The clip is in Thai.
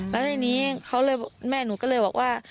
แล้วในนี้แม่หนูก็เลยบอกว่า